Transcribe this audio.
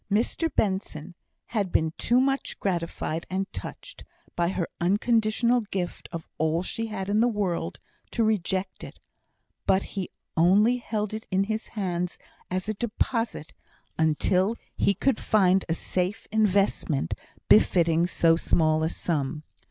Mr Benson had been too much gratified and touched, by her unconditional gift of all she had in the world, to reject it; but he only held it in his hands as a deposit until he could find a safe investment befitting so small a sum.